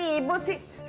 kenapa pada ribu sih